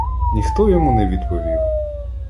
Ніхто йому не відповів.